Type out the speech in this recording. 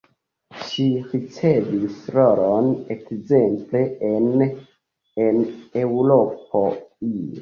Ŝi ricevis rolon ekzemple en En Eŭropo ie.